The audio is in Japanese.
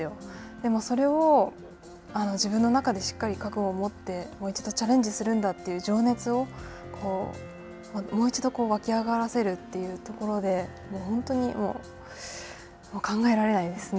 でもそれを自分の中でしっかり覚悟を持って、もう一度、チャレンジするんだという情熱をもう一度湧き上がらせるというところで本当に考えられないですね。